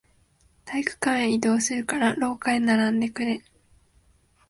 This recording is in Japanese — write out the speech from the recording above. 体育館へ移動するから、廊下へ並んでくれ。